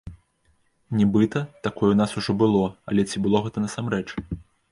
Нібыта, такое ў нас ужо было, але ці было гэта насамрэч?